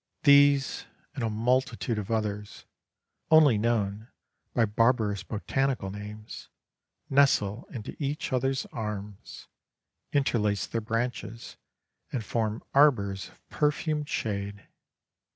These and a multitude of others, only known by barbarous botanical names, nestle into each other's arms, interlace their branches, and form arbours of perfumed shade.